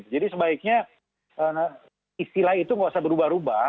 jadi sebaiknya istilah itu gak usah berubah ubah